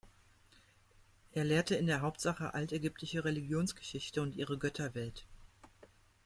Er lehrte in der Hauptsache altägyptische Religionsgeschichte und ihre Götterwelt.